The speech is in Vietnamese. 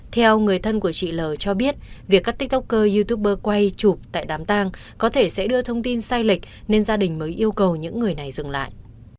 theo người thân của chị l cho biết việc cắt tiktoker youtuber quay chụp tại đám tang có thể sẽ đưa thông tin sai lệch nên gia đình mới yêu cầu những người này dừng lại